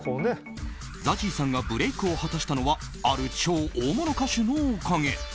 ＺＡＺＹさんがブレークを果たしたのはある超大物歌手のおかげ。